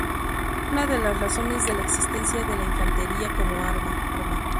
Es una de las razones de la existencia de la infantería como arma.